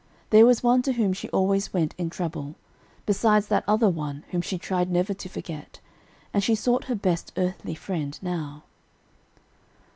There was one to whom she always went in trouble, besides that other One whom she tried never to forget, and she sought her best earthly friend now.